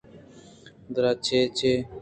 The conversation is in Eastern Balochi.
درا چداں چہ